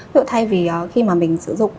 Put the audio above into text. ví dụ thay vì khi mà mình sử dụng